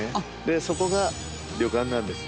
そこが旅館なんですよ